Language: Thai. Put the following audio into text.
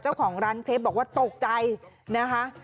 เจ้าของร้านเคล็ปบอกว่าตกใจนะคะ